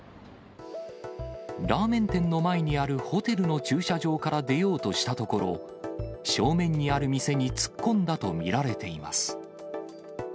ラーメン店の前にあるホテルの駐車場から出ようとしたところ、正面にある店に突っ込んだと見られています。